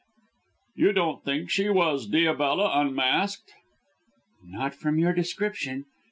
"You don't think she was Diabella unmasked?" "Not from your description.